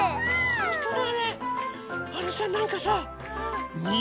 ほんとだ！